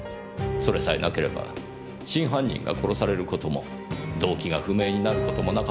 それさえなければ真犯人が殺される事も動機が不明になる事もなかったんです。